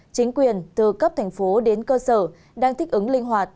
chính quyền từ cấp thành phố đến cơ sở đang thích ứng linh hoạt